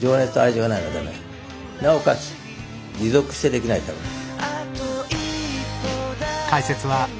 なおかつ持続してできないとダメだよ。